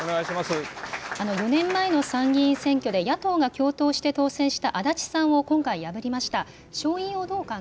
４年前の参議院選挙で、野党が共闘して当選した安達さんを今回、破りました。